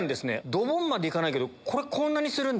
ドボンまでいかないけど。